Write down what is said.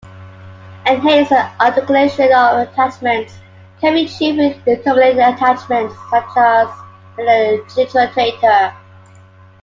Enhanced articulation of attachments can be achieved with intermediate attachments such as the tiltrotator.